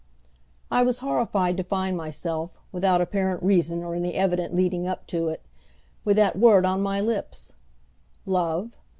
I was horrified to find myself, without apparent reason or any evident leading up to it, with that word on my lips. Love?